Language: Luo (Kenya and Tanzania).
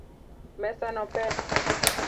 Mesa no pek